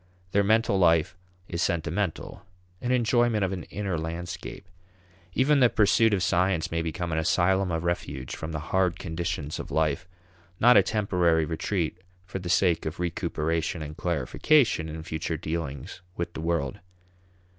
Their mental life is sentimental; an enjoyment of an inner landscape. Even the pursuit of science may become an asylum of refuge from the hard conditions of life not a temporary retreat for the sake of recuperation and clarification in future dealings with the world.